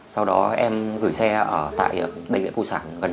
sau đó em gửi xe ở tại bệnh viện phụ sản gần nhà bác em